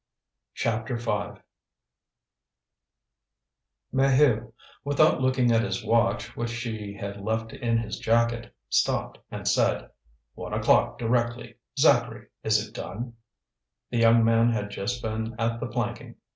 CHAPTER V Maheu, without looking at his watch which he had left in his jacket, stopped and said: "One o'clock directly. Zacharie, is it done?" The young man had just been at the planking.